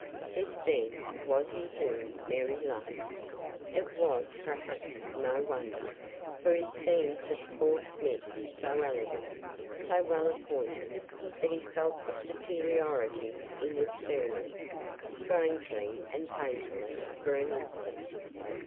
This, then, was he whom Mary loved. It was, perhaps, no wonder; for he seemed to the poor smith so elegant, so well appointed, that he felt his superiority in externals, strangely and painfully, for an instant.